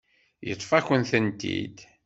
Yeṭṭef-akent-tent-id.